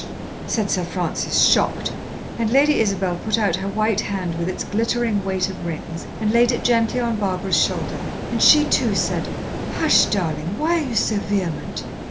said Sir Francis, shocked, and Lady Isabel put out her white hand with its glittering weight of rings and laid it gently on Barbara's shoulder, and she too said, "Hush, darling! why are you so vehement?